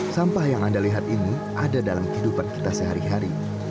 sampah yang anda lihat ini ada dalam kehidupan kita sehari hari